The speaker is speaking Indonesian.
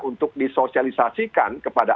untuk disosialisasikan kepada